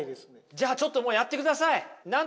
じゃあちょっともうやってください！